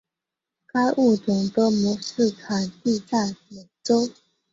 该物种的模式产地在美洲。